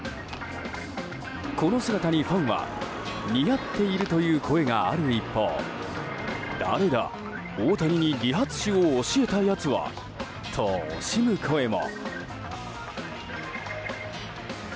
この姿に、ファンは似合っているという声がある一方誰だ、大谷に理髪師を教えたやつはと惜しむ声も。